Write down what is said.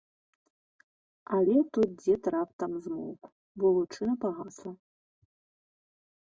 Але тут дзед раптам змоўк, бо лучына пагасла.